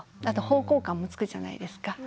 あと方向感もつくじゃないですか。